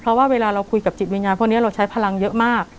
เพราะว่าเวลาเราคุยกับจิตวิญญาณพวกนี้เราใช้พลังเยอะมาก